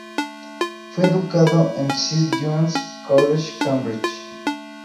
Fue educado en St John’s College, Cambridge.